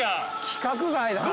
規格外だな。